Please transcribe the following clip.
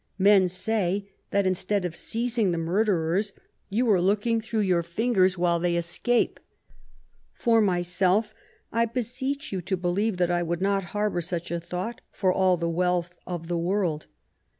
Men say that, instead of seizing the murderers, you are looking through your fingers while they escape. For myself, I beseech you to believe that I would not harbour such a thought for all the wealth of the world.